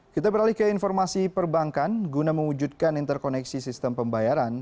kita beralih ke informasi perbankan guna mewujudkan interkoneksi sistem pembayaran